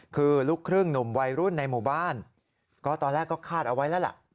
คือลูกครึ่งหนุ่มวัยรุ่นในหมู่บ้านก็ตอนแรกก็คาดเอาไว้แล้วล่ะ